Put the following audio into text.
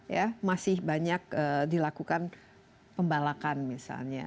ya masih banyak dilakukan pembalakan misalnya